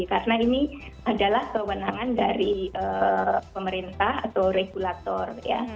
karena ini adalah kewenangan dari pemerintah atau regulator